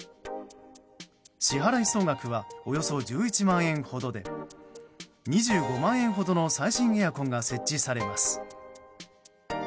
支払総額はおよそ１１万円ほどで２５万円ほどの最新エアコンが設置されます。